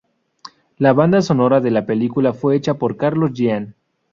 La banda sonora de la película fue hecha por Carlos Jean.